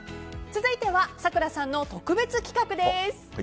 続いては咲楽さんの特別企画です。